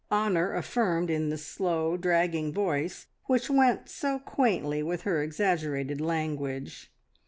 Honor affirmed in the slow, dragging voice which went so quaintly with her exaggerated language.